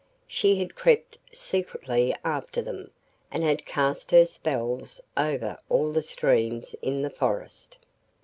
She had crept secretly after them, and had cast her spells over all the streams in the forest.